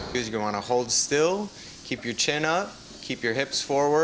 jangan berdiri tetap menanggung tetap menanggung dengar arah kita